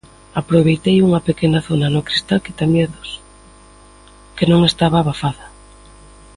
Aproveitei unha pequena zona no cristal quitamiedos que non estaba abafada.